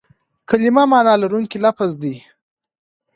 کلیمه مانا لرونکی لفظ دئ.